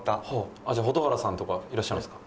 じゃあ蛍原さんとかいらっしゃるんですか？